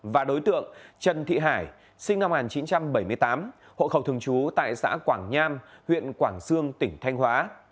và đối tượng trần thị hải sinh năm một nghìn chín trăm bảy mươi tám hộ khẩu thường trú tại xã quảng nham huyện quảng sương tỉnh thanh hóa